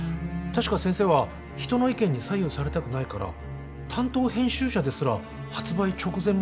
確か先生は人の意見に左右されたくないから担当編集者ですら発売直前まで原稿を読ませないんじゃ。